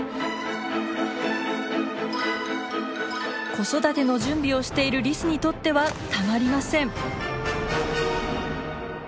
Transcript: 子育ての準備をしているリスにとってはたまりません。